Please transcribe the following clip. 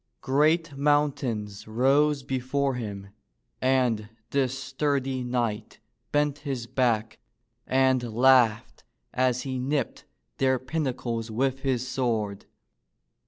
Great mountains rose before him, and this sturdy knight bent his back, and laughed as he nipped their pinnacles with his sword.